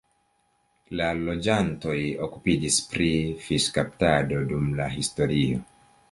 La loĝantoj okupiĝis pri fiŝkaptado dum la historio.